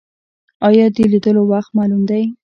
ایا د لیدلو وخت معلوم دی؟